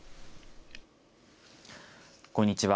こんにちは。